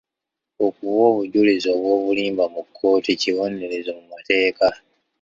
Okuwa obujulizi obw'obulimba mu kkooti kubonerezebwa mu mateeka.